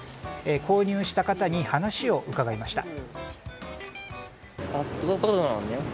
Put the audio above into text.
購入した方に話を伺いました。